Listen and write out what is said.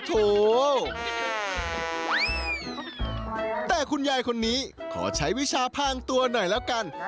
แต่คุณยายคนนี้ขอใช้วิชาพางตัวหน่อยแล้วกัน